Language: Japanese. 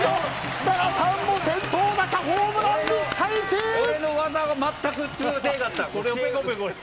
設楽さんも先頭打者ホームランで俺の技が全く通用しなかった。